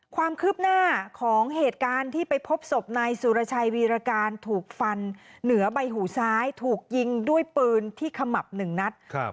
ความคืบหน้าของเหตุการณ์ที่ไปพบศพนายสุรชัยวีรการถูกฟันเหนือใบหูซ้ายถูกยิงด้วยปืนที่ขมับหนึ่งนัด